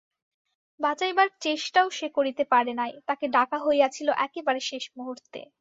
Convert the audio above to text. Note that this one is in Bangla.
বাচাইবার চেষ্টাও সে করিতে পারে নাই, তাকে ডাকা হইয়াছিল একেবারে শেষমূহুর্তে।